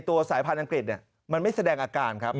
สายพันธ์อังกฤษมันไม่แสดงอาการครับ